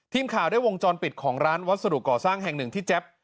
ทีมข่าวได้วงจรปิดของร้านวัสดุก่อสร้างแห่งหนึ่งที่แจ๊บ